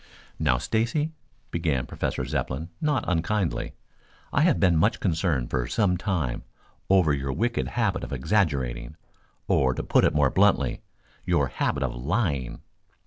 "Now, Stacy," began Professor Zepplin not unkindly, "I have been much concerned for some time over your wicked habit of exaggerating or to put it more bluntly your habit of lying."